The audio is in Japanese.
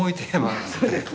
そうですね。